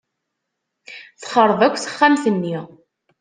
Texṛeb akk texxamt-nni.